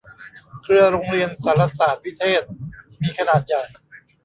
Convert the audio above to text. เครือโรงเรียนสารสาสน์วิเทศมีขนาดใหญ่